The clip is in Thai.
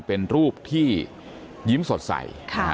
เป็นรูปที่ยิ้มสดใส